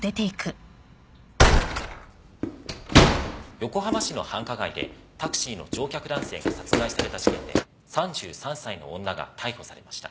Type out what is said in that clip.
横浜市の繁華街でタクシーの乗客男性が殺害された事件で３３歳の女が逮捕されました。